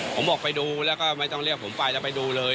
ผมบอกไปดูแล้วก็ไม่ต้องเรียกผมไปแล้วไปดูเลย